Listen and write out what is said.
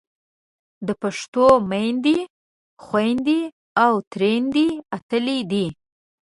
د پښتنو میندې، خویندې او ترېیندې اتلې دي.